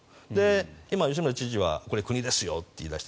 今、吉村知事は国ですよと言い出した。